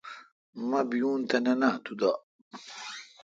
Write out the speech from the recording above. مہ بیون تہ نہ نا تو دا